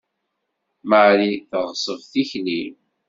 Marie teɣṣeb tikli.